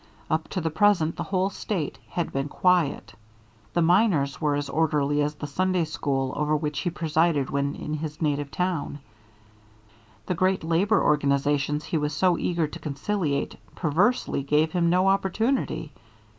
Up to the present the whole State had been quiet. The miners were as orderly as the Sunday school over which he presided when in his native town. The great labor organizations he was so eager to conciliate perversely gave him no opportunity.